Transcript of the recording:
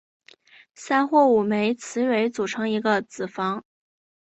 三或五枚雌蕊组成一个子房。